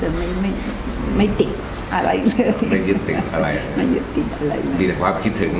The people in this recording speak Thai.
มีความคิดถึงอ่ะ